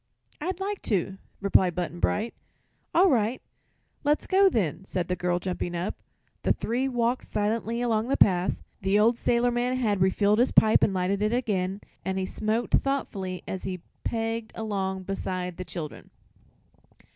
"I'd like to," replied Button Bright. "All right; let's go, then," said the girl, jumping up. The three walked silently along the path. The old sailorman had refilled his pipe and lighted it again, and he smoked thoughtfully as he pegged along beside the children.